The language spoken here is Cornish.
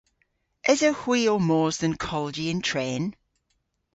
Esewgh hwi ow mos dhe'n kolji yn tren?